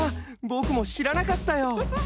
ぼくもしらなかったよ。